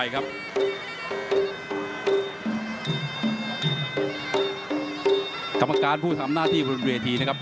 กรรมการผู้ทำหน้าที่บริเวณบินูระธี่